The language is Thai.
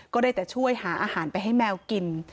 ก็ได้แต่ช่วยหาอาหารไปให้แมวกิน